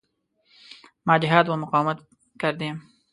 ما جهاد و مقاومت کردیم.